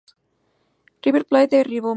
River Plate de Riobamba